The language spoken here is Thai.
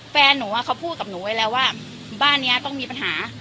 แฟนหนูเขาพูดกับหนูไว้แล้วว่าบ้านนี้ต้องมีปัญหา